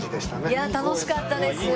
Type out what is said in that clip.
いや楽しかったです。